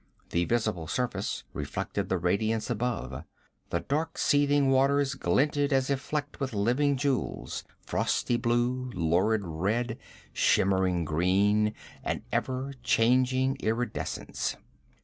The visible surface reflected the radiance above; the dark seething waters glinted as if flecked with living jewels, frosty blue, lurid red, shimmering green, an ever changing iridescence.